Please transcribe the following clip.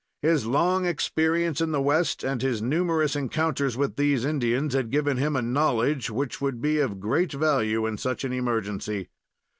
His long experience in the west, and his numerous encounters with these Indians, had given him a knowledge which would be of great value in such an emergency.